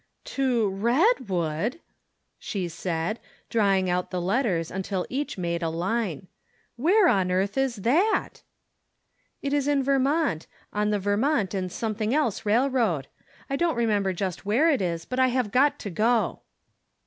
" To Redwood !" she said, drawing out the letters untU each made a line. " Where on earth is that?" " It is in Vermont, on the Vermont and Some thing Else Railroad. I don't remember just where it is, but I have got to go."